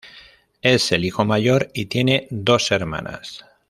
Es el hijo mayor y tiene dos hermanas.